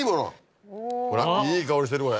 ほらいい香りしてるこれ。